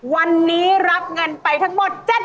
วันนี้รับเงินไปทั้งหมด๗๑๐๐๐บาท